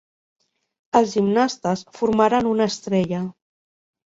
Els gimnastes formaren una estrella.